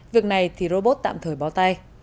việc này thì robot tạm thời bó tay